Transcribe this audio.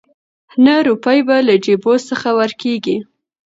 نه روپۍ به له جېبو څخه ورکیږي